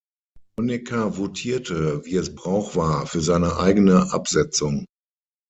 Honecker votierte, wie es Brauch war, für seine eigene Absetzung.